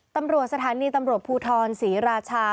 ตำรวจสถานีตำรวจภูทรศรีราชา